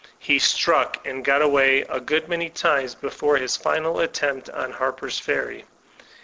He struck and got away a good many times before his final attempt on Harper's Ferry.